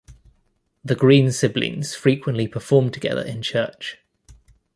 The Green siblings frequently performed together in church.